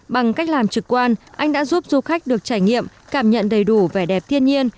bằng cách làm trực quan anh đã giúp du khách được trải nghiệm cảm nhận đầy đủ vẻ đẹp thiên nhiên